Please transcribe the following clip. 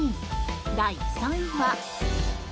第３位は。